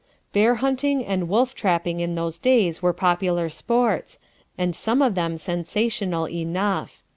Bear hunting and wolf trapping in those days were popular sports, and some of them sensational enough.